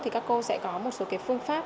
thì các cô sẽ có một số phương pháp